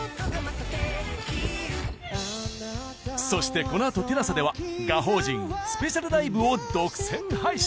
そしてこのあと ＴＥＬＡＳＡ では『我人』スペシャル ＬＩＶＥ を独占配信！